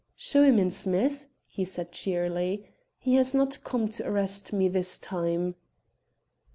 "Show him in, Smith," he said cheerily; "he has not come to arrest me this time."